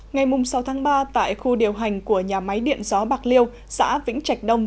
ngày sáu tháng ba tại khu điều hành của nhà máy điện gió bạc liêu xã vĩnh trạch đông